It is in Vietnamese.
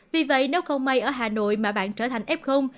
vì vậy nếu không may ở hà nội mà bạn trở thành ép không